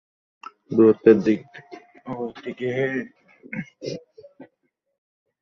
দূরত্বের দিক থেকেও এটিকে এমিরেটস বিশ্বের অন্যতম দীর্ঘ আকাশপথ বলে বর্ণনা করেছে।